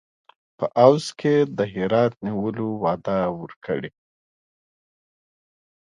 په عوض کې د هرات نیولو وعده ورکړي.